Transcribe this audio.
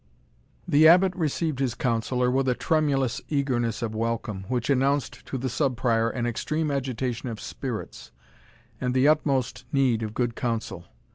The Abbot received his counsellor with a tremulous eagerness of welcome, which announced to the Sub Prior an extreme agitation of spirits, and the utmost need of good counsel.